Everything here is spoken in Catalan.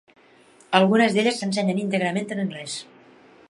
Algunes d'elles s'ensenyen íntegrament en anglès.